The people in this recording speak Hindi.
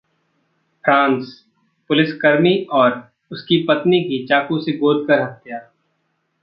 फ्रांसः पुलिसकर्मी और उसकी पत्नी की चाकू से गोदकर हत्या